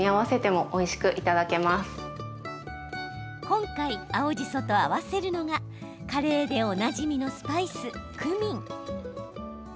今回、青じそと合わせるのがカレーでおなじみのスパイスクミン。